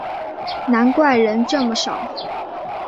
难怪人这么少